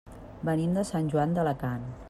Venim de Sant Joan d'Alacant.